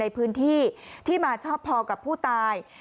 ในพื้นที่ที่มาชอบพอกับผู้ตาย